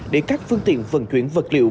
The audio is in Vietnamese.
để các phương tiện vận chuyển vật liệu